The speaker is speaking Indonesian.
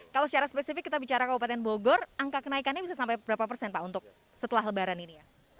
kalau secara spesifik kita bicara kabupaten bogor angka kenaikannya bisa sampai berapa persen pak untuk setelah lebaran ini